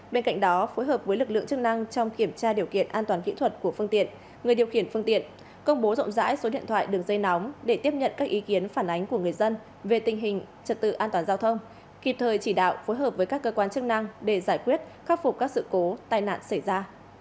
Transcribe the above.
bên cạnh đó phối hợp với lực lượng chức năng trong kiểm tra điều kiện an toàn kỹ thuật của phương tiện người điều khiển phương tiện công bố rộng rãi số điện thoại đường dây nóng để tiếp nhận các ý kiến phản ánh của người dân về tình hình trật tự an toàn giao thông kịp thời chỉ đạo phối hợp với các cơ quan chức năng để giải quyết khắc phục các sự cố tai nạn xảy ra